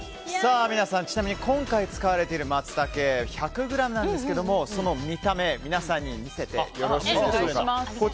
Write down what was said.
皆さん、ちなみに今回使われているマツタケ１００ｇなんですがその見た目皆さんに見せてよろしいでしょうか。